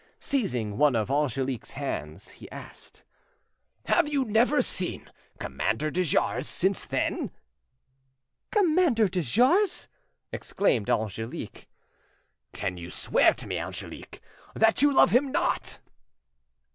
Seizing one of Angelique's hands, he asked— "Have you never seen Commander de Jars since then?" "Commander de Jars!" exclaimed Angelique. "Can you swear to me, Angelique, that you love him not?"